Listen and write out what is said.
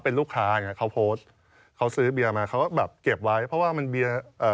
เป็นลูกค้าอย่างเงี้เขาโพสต์เขาซื้อเบียร์มาเขาก็แบบเก็บไว้เพราะว่ามันเบียร์เอ่อ